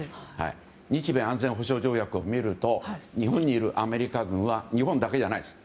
日米安全保障条約を見ると日本にいるアメリカ軍は日本だけじゃないです。